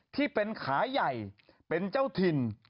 ที่เป็นขาใหญ่เป็นเจ้าถิ่น